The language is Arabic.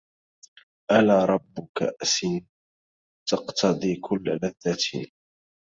ألا رب كأس تقتضي كل لذة